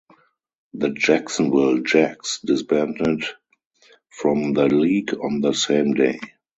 The Jacksonville Jacks disbanded from the league on the same day.